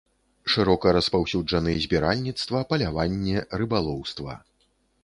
Шырока распаўсюджаны збіральніцтва, паляванне, рыбалоўства.